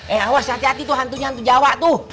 eh awas hati hati tuh hantunya hantu jawa tuh